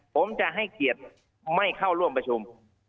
ผมจะให้เกียรติไม่เข้าร่วมประชุม